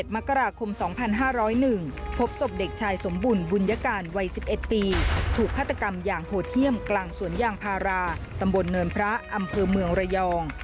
มกราคม๒๕๐๑พบศพเด็กชายสมบุญบุญยการวัย๑๑ปีถูกฆาตกรรมอย่างโหดเยี่ยมกลางสวนยางพาราตำบลเนินพระอำเภอเมืองระยอง